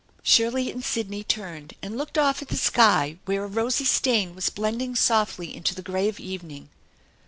Shirley and Sidney turned and looked off at the sky where a rosy stain was blending softly into the gray of evening.